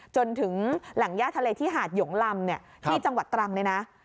จนถึงแหล่งย่าทะเลที่หาดหยงลำที่จังหวัดตรังเนี่ยนะ